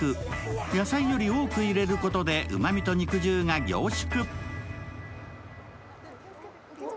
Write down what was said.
野菜より多く入れることで、うまみと肉汁が凝縮。